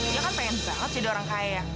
dia kan pengen banget jadi orang kaya